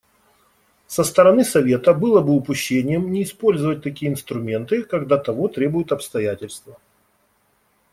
Со стороны Совета было бы упущением не использовать такие инструменты, когда того требуют обстоятельства.